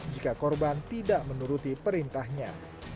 jika korban tidak menuruti perintahnya